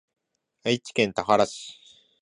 愛知県田原市